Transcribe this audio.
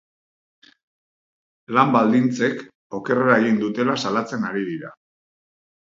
Lan baldintzek okerrera egin dutela salatzen ari dira.